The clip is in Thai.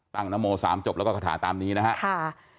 นโม๓จบแล้วก็คาถาตามนี้นะครับ